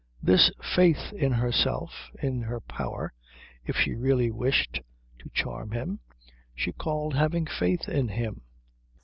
This faith in herself and in her power, if she really wished, to charm him, she called having faith in him.